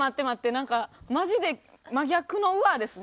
なんかマジで真逆の「うわっ」ですね。